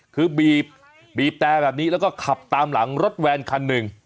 คือบีบแต่แบบนี้แล้วก็ขับตามหลังรถแวนคันหนึ่ง